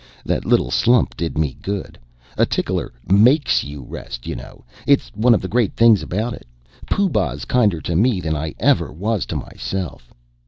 "Ha, that little slump did me good. A tickler makes you rest, you know it's one of the great things about it. Pooh Bah's kinder to me than I ever was to myself."